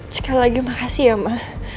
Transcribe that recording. sekali lagi makasih ya ma